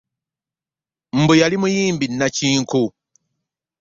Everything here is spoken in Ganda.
Mbu yali muyimbi nakinku.